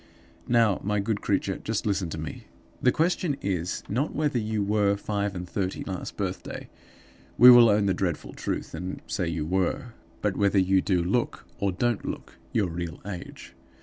"Now, my good creature, just listen to me. The question is not whether you were five and thirty last birthday; we will own the dreadful truth, and say you were but whether you do look, or don't look, your real age.